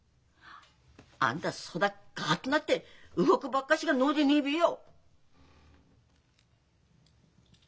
あんたそだカッとなって動くばっかしが能でねえべよ！